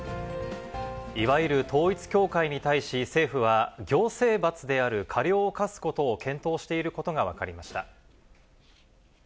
いわゆる統一教会に対し、政府は行政罰である過料を科すことを検討していることが分かりました。